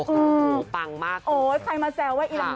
กุงปังมากกุงมรึงโฮใครมาแซว่าไอ้นำยอง